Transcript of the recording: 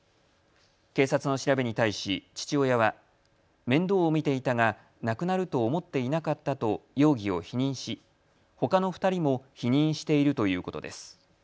警察の調べに対し父親は面倒を見ていたが亡くなると思っていなかったと容疑を否認しほかの２人も否認しているということです。